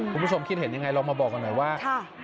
คุณผู้ชมคิดเห็นยังไงลองมาบอกกันหน่อยว่า